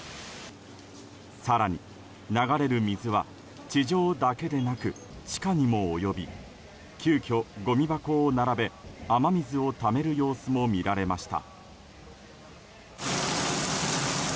更に、流れる水は地上だけでなく地下にも及び急きょ、ごみ箱を並べ雨水をためる様子も見られました。